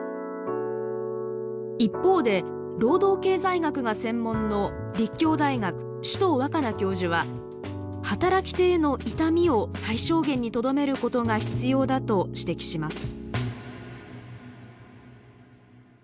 一方で労働経済学が専門の立教大学首藤若菜教授は働き手への痛みを最小限にとどめることが必要だと指摘します。